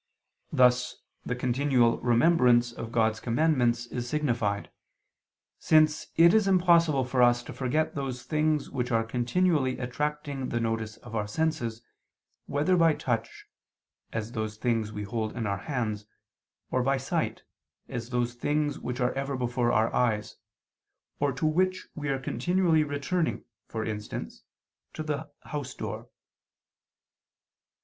Thus the continual remembrance of God's commandments is signified, since it is impossible for us to forget those things which are continually attracting the notice of our senses, whether by touch, as those things we hold in our hands, or by sight, as those things which are ever before our eyes, or to which we are continually returning, for instance, to the house door.